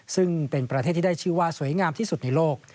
ซึ่งเป็นประเทศที่ได้ชื่อว่าสวยงามที่สุดในโลก